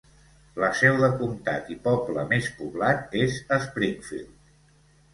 La seu de comtat i poble més poblat és Springfield.